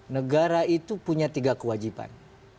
negara itu punya tiga kewajiban